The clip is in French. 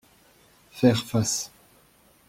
Faire face